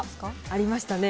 ありましたね。